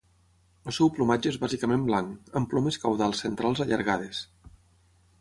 El seu plomatge és bàsicament blanc, amb plomes caudals centrals allargades.